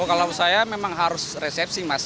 kalau saya memang harus resepsi mas